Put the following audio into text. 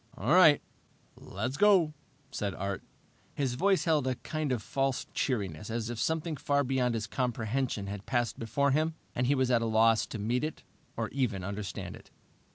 "All right, let's go," said Art. His voice held a kind of false cheeriness, as if something far beyond his comprehension had passed before him and he was at a loss to meet it or even understand it.